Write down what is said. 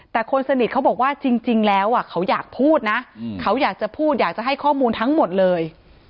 แต่คนสนิทเขาบอกว่าจริงแล้วเขาอยากพูดนะเขาอยากจะพูดอยากจะให้ข้อมูลทั้งหมดเลย